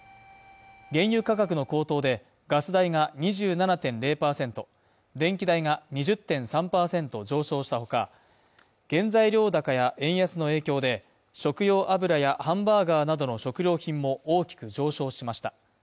原油価格の高騰でガス代が２７．０％電気代が２０．３％上昇したほか、原材料高や円安の影響で、食用油やハンバーガーなどの食料品も大きく上昇しました。